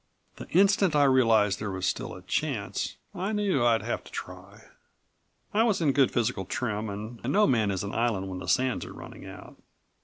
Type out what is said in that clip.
The instant I realized there was still a chance I knew I'd have to try. I was in good physical trim and no man is an island when the sands are running out.